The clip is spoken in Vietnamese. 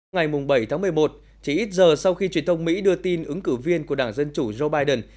ngày bảy tháng một mươi một chỉ ít giờ sau khi truyền thông mỹ đưa tin ứng cử viên của đảng dân chủ joe biden